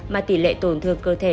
mà tỷ lệ tổn thương cơ thể